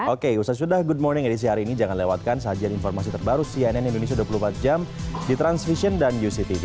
oke usah sudah good morning edisi hari ini jangan lewatkan sajian informasi terbaru cnn indonesia dua puluh empat jam di transvision dan uctv